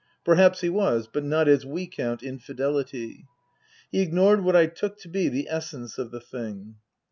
Perhaps he was ; but not as we count infidelity. He ignored what I took to be the essence of the thing.